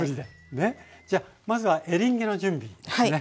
じゃあまずはエリンギの準備ですね。